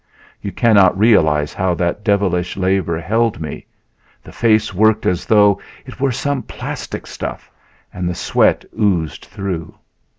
You cannot realize how that devilish labor held me the face worked as though it were some plastic stuff, and the sweat oozed through.